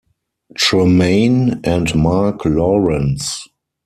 Tremayne, and Mark Lawrence.